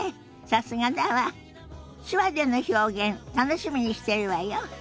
手話での表現楽しみにしてるわよ。